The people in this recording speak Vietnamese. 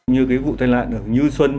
như cái vụ tai nạn ở như xuân